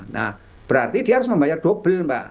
nah berarti dia harus membayar double mbak